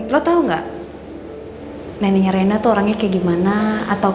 lo tau gak neneknya reina tuh orangnya kayak gimana